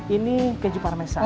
ini keju parmesan